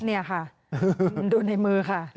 นี่ค่ะดูในมือค่ะ